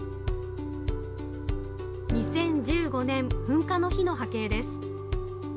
２０１５年、噴火の日の波形です。